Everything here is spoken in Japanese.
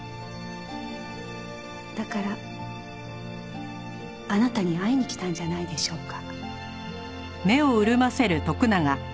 だからあなたに会いに来たんじゃないでしょうか。